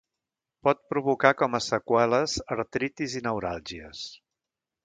Pot provocar com a seqüeles artritis i neuràlgies.